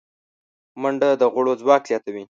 منډه د غړو ځواک زیاتوي